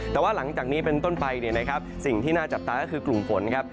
แต่ว่าหลังจากนี้เป็นต้นไปสิ่งที่น่าจับตาก็คือกลุ่มฝนนะครับ